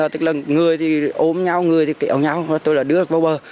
tức là người thì ôm nhau người thì kéo nhau tôi đưa vào bờ